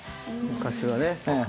昔はね。